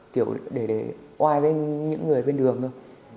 kiểu để oai với những người bên đường thôi